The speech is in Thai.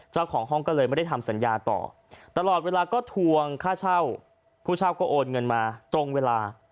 เจ้าของห้องก็เลยไม่ได้ทำสัญญาต่อตลอดเวลาก็ทวงค่าเช่าผู้เช่าก็โอนเงินมาตรงเวลา